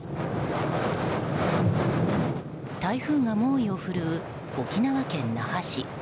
台風が猛威を振るう沖縄県那覇市。